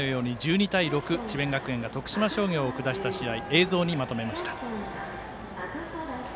１２対６、智弁学園が徳島商業を下した試合映像にまとめました。